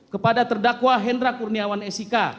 kepada terdakwa hendra kurniawan sik